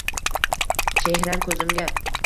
Chehrang ko’zimga.